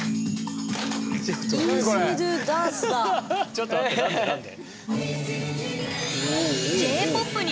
ちょっと待って何で何で？